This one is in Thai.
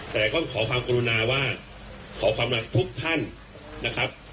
แต่ก็ขอความกรุณาว่าขอความรักทุกท่านนะครับ